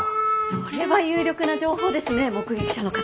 それは有力な情報ですね目撃者の方。